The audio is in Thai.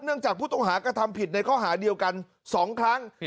เนื่องจากผู้ต้องหากระทำผิดในข้อหาเดียวกันสองครั้งผิดสาม